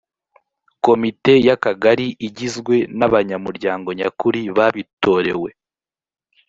komite y’akagari igizwe n’ abanyamuryango nyakuri babitorewe